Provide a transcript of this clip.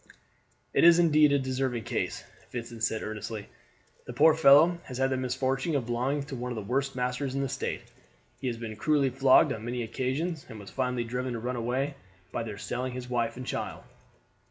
"It is indeed a deserving case," Vincent said earnestly. "The poor fellow has the misfortune of belonging to one of the worst masters in the State. He has been cruelly flogged on many occasions, and was finally driven to run away by their selling his wife and child."